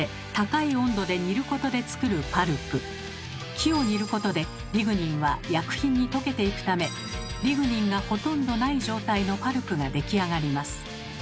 木を煮ることでリグニンは薬品に溶けていくためリグニンがほとんどない状態のパルプが出来上がります。